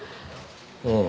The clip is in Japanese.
うん。